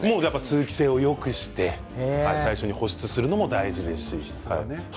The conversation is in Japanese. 通気性をよくして最初に保湿するのも大事です。